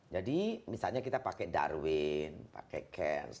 jadi misalnya kita pakai darwin pakai cairns